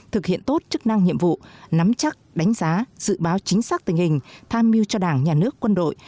thực hiện tốt chức năng nhiệm vụ nắm chắc đánh giá dự báo chính xác tình hình tham mưu cho đảng nhà nước quân đội